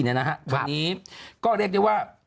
วันนี้ก็เรียกได้ว่า